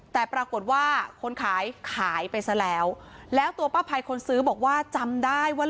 แต่ปรากฏว่าคนขายขายไปซะแล้วแล้วตัวป้าภัยคนซื้อบอกว่าจำได้ว่า